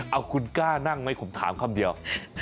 เอาคุณกล้านั่งไหมผมถามคำเดียว